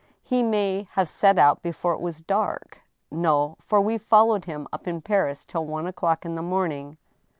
" He may have set out before it was dark." " No ; for we followed him up in Paris till one o'clock in the morning."